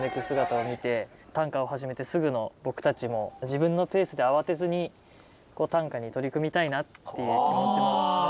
姿を見て短歌を始めてすぐの僕たちも自分のペースで慌てずに短歌に取り組みたいなっていう気持ちも。